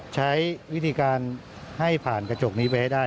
ใช้วิธีการให้ผ่านกระจกนี้ไปให้ได้